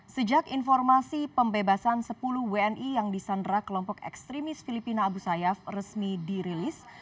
sejak informasi pembebasan sepuluh wni yang disandra kelompok ekstremis filipina abu sayyaf resmi dirilis